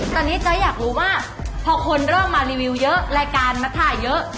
ตอนนี้เจ๊อยากรู้ว่าพอคนเริ่มมารีวิวเยอะรายการมาถ่ายเยอะ